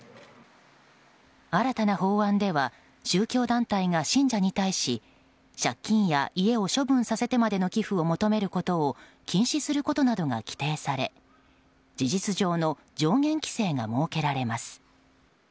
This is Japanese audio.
新たな法案では宗教団体が信者に対し借金や家を処分させてまでの寄付をさせることを禁止することなどが規定され事実上の上限規制が設けられます。